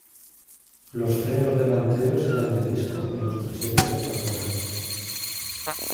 Los frenos delanteros eran de disco y los traseros de tambor.